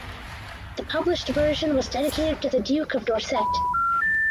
The published version was dedicated to the Duke of Dorset.